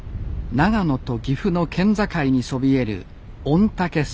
長野と岐阜の県境にそびえる御嶽山